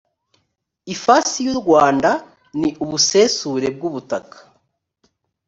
ifasi y’ u rwanda ni ubusesure bw ‘ubutaka